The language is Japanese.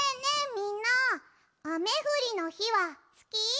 みんなあめふりのひはすき？